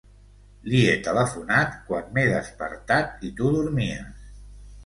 Li he telefonat quan m'he despertat i tu dormies.